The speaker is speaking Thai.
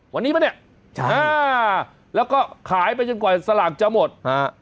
วันนี้ปะเนี่ยใช่อ่าแล้วก็ขายไปจนกว่าสลากจะหมดฮะ